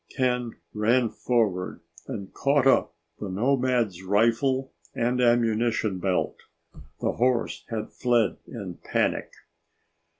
Ken ran forward and caught up the nomad's rifle and ammunition belt. The horse had fled in panic.